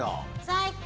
最高！